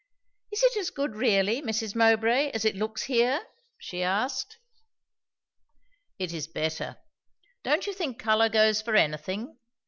"Is it as good really, Mrs. Mowbray, as it looks here?" she asked. "It is better. Don't you think colour goes for anything?